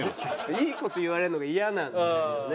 いい事言われるのが嫌なんですよね。